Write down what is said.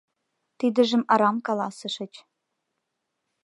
Тидыжым арам каласышыч.